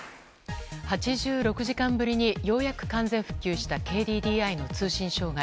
８６時間ぶりにようやく完全復旧したＫＤＤＩの通信障害。